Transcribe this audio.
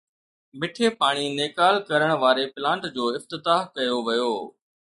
مٺي پاڻي نيڪال ڪرڻ واري پلانٽ جو افتتاح ڪيو ويو